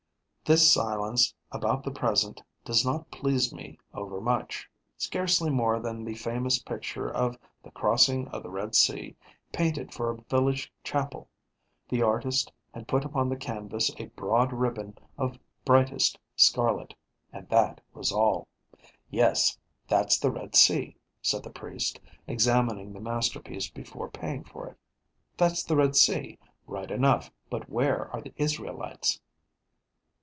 This silence about the present does not please me overmuch, scarcely more than the famous picture of "The Crossing of the Red Sea" painted for a village chapel. The artist had put upon the canvas a broad ribbon of brightest scarlet; and that was all. 'Yes, that's the Red Sea,' said the priest, examining the masterpiece before paying for it. 'That's the Red Sea, right enough; but where are the Israelites?'